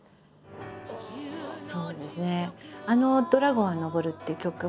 そうですね。